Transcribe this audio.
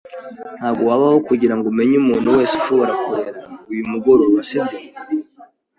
Ntabwo wabaho kugirango umenye umuntu wese ushobora kurera uyu mugoroba, sibyo?